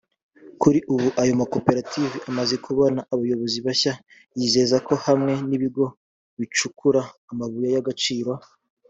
Kuri ubu ayo makoperative amaze kubona abayobozi bashya yizeza ko hamwe n’ibigo bicukura amabuye y’agaciro